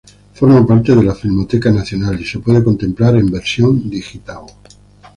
Forma parte de la Filmoteca Nacional y se puede contemplar en versión digital.